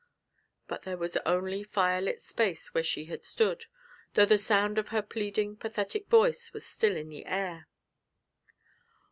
But there was only firelit space where she had stood, though the sound of her pleading, pathetic voice was still in the air.